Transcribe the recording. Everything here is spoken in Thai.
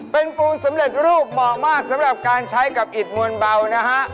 เป็นฟูนสำเร็จรูปเหมาะมากสำหรับการใช้กับอิดมวลเบานะฮะ